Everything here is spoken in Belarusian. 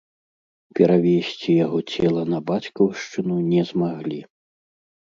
Перавезці яго цела на бацькаўшчыну не змаглі.